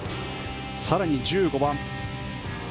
更に１５番